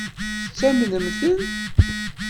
Tettamnem-ten?